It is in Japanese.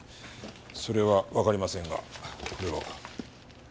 それはわかりませんがこれを。